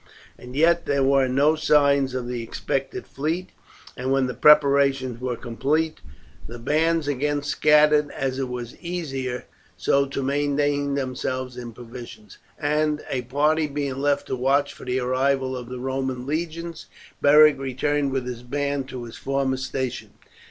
As yet there were no signs of the expected fleet, and when the preparations were complete the bands again scattered, as it was easier so to maintain themselves in provisions; and, a party being left to watch for the arrival of the Roman legions, Beric returned with his band to his former station.